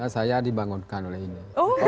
saya dibangunkan oleh ini